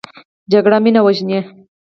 جګړه مینه وژني